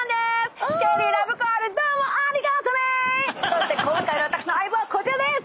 そして今回の私の相棒はこちらです！